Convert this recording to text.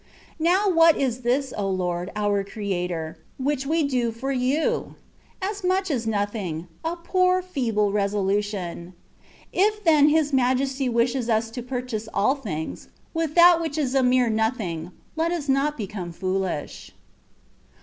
Now what is this, O Lord, our Creator ! which we do for You? As much as nothing — a poor feeble resolution.* If then His majesty wishes us to purchase all things, with that which is a mere nothing, let us not become foohsh.